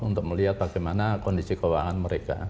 untuk melihat bagaimana kondisi keuangan mereka